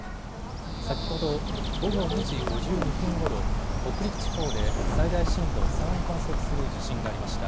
先ほど午後２時５２分ごろ北陸地方で最大震度３を観測する地震がありました。